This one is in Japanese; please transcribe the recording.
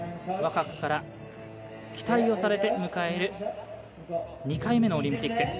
若くから、期待をされて迎える２回目のオリンピック。